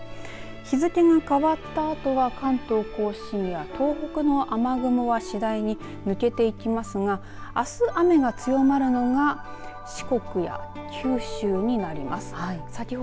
日付が変わったあとは関東甲信や東北の雨雲はしだいに抜けていきますがあす雨が強まるのが四国や九州になります。